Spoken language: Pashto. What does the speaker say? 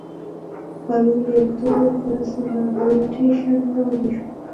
پرون د اکتوبر په لسمه، پرزنټیشن وړاندې شو.